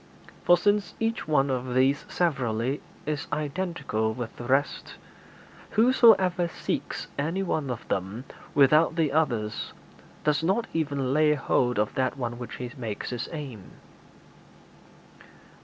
For since each one of these severally is identical with the rest, whosoever seeks any one of them without the others does not even lay hold of that one which he makes his aim.'